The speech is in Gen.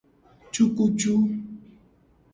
Cukucu.